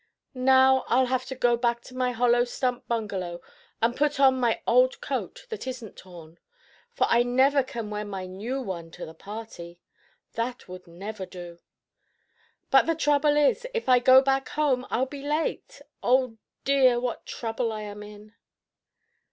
Now I'll have to go back to my hollow stump bungalow and put on my old coat that isn't torn. For I never can wear my new one to the party. That would never do! But the trouble is, if I go back home I'll be late! Oh, dear, what trouble I am in!"